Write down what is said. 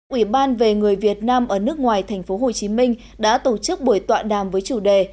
ủy ban về người việt nam ở nước ngoài tp hcm đã tổ chức buổi tọa đàm với chủ đề